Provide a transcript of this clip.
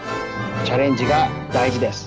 チャレンジがだいじです。